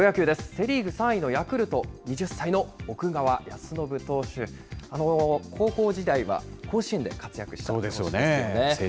セ・リーグ３位のヤクルト、２０歳の奥川恭伸投手、高校時代は甲子園で活躍した選手ですよね。